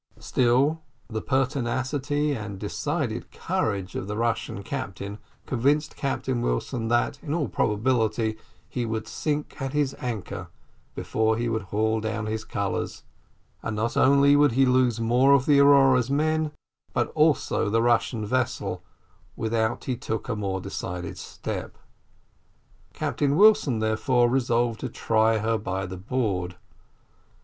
Still the pertinacity and decided courage of the Russian captain convinced Captain Wilson that, in all probability, he would sink at his anchor before he would haul down his colours; and not only would he lose more of the Aurora's men, but also the Russian vessel, without he took a more decided step. Captain Wilson, therefore, resolved to try her by the board.